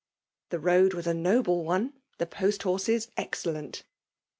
The road waa a noble one, — the post horses esareUent.